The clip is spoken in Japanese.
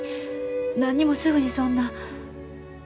なにもすぐにそんな。